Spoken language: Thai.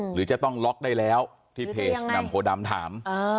หรือจะต้องล็อกได้แล้วที่เพจแหม่มโพดำถาม